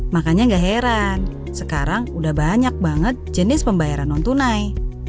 makanya gak heran sekarang udah banyak banget jenis pembayaran non tunai